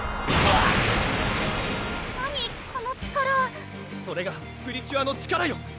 この力それがプリキュアの力よ